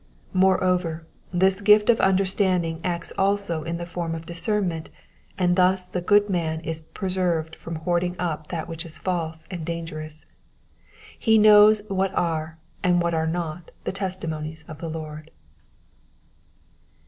Moreover, this gift of understanding acts also in the form of discernment and thus the good man is preserved from hoarding up that which is false and dangerous : he knows what are and what are not tho' testimonies of the Lord.